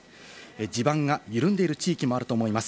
地盤が緩んでいる地域もあると思います。